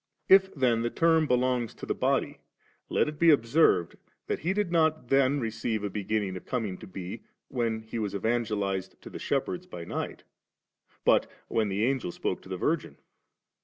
If then the term belongs to the body, let it be observed that He did not then receive a beginning of coming to be when he was evan gelized to the shepherds by night, but when the Angel spoke to the* Viigin.